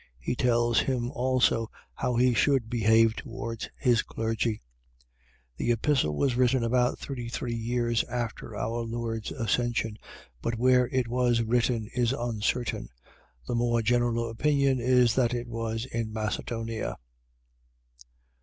He tells him also how he should behave towards his clergy. The Epistle was written about 33 years after our Lord's Ascension; but where it was written is uncertain: the more general opinion is, that it was in Macedonia.